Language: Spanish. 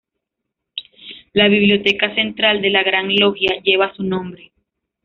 La Biblioteca Central de la Gran Logia lleva su nombre.